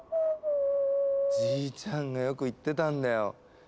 じいちゃんがよく言ってたんだよ。